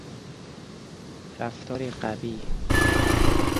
رفتاری قبیح